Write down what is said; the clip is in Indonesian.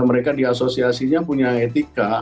mereka di asosiasinya punya etika